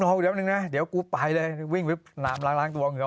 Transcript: เออกำลังเก็บขี้หมาแล้วเหนือ